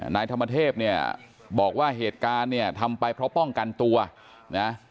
นายธรรมเทพเนี่ยบอกว่าเหตุการณ์เนี่ยทำไปเพราะป้องกันตัวนะ